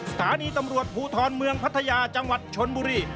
สถานีตำรวจภูทรเมืองพัทยาจังหวัดชนบุรี